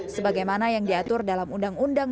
sebagaimana yang diatur dalam undang undang